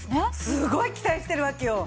すごい期待してるわけよ。